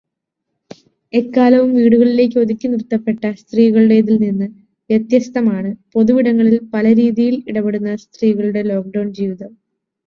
എക്കാലവും വീടുകളിലേക്ക് ഒതുക്കി നിർത്തപ്പെട്ട സ്ത്രീകളുടെതിൽ നിന്ന് വ്യത്യസ്തമാണ് പൊതുവിടങ്ങളിൽ പലരീതിയിൽ ഇടപെടുന്ന സ്ത്രീകളുടെ ലോക്ക്ഡൗൺ ജീവിതം.